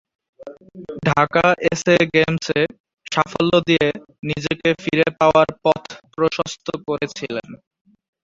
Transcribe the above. Dhaka SA গেমসে সাফল্য দিয়ে নিজেকে ফিরে পাওয়ার পথ প্রশস্ত করেছিলেন।